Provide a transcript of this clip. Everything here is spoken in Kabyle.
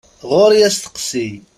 Ɣur-i asteqsi!